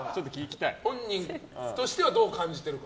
本人としてはどう感じているか。